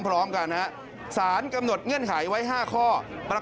ก็ตอบได้คำเดียวนะครับ